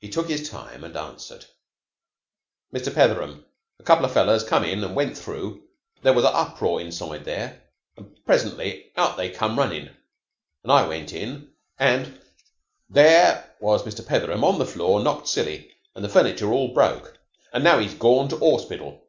He took his time and answered. "Mr. Petheram. A couple of fellers come in and went through, and there was a uproar inside there, and presently out they come running, and I went in, and there was Mr. Petheram on the floor knocked silly and the furniture all broke, and now 'e's gorn to 'orspital.